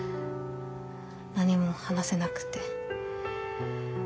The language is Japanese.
何も話せなくて。